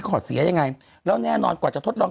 ขอเสียยังไงแล้วแน่นอนกว่าจะทดลอง